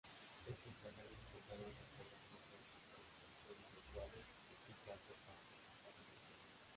Estos terrenos contaban con programas de reforestación adecuados y plantas para procesar la madera.